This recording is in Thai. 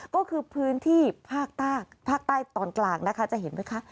ก็คือพื้นที่ภาคใต้ภาคใต้ตอนกลางนะคะจะเห็นไหมคะ